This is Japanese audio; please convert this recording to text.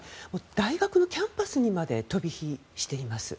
大学のキャンパスにまで飛び火しています。